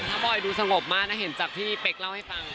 ถ้าบอยดูสงบมากนะเห็นจากพี่เป๊กเล่าให้ฟัง